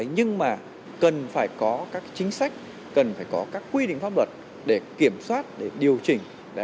nhưng mà cần phải có các chính sách cần phải có các quy định pháp luật để kiểm soát để điều chỉnh